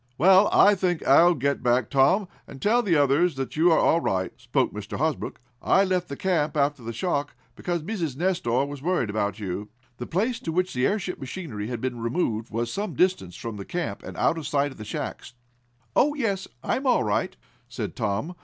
"Well, I think I'll get back, Tom, and tell the others that you are all right," spoke Mr. Hosbrook. "I left the camp, after the shock, because Mrs. Nestor was worried about you." The place to which the airship machinery had been removed was some distance from the camp, and out of sight of the shacks. "Oh, yes. I'm all right," said Tom.